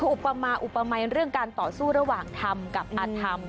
อุปมาอุปมัยเรื่องการต่อสู้ระหว่างธรรมกับอาธรรม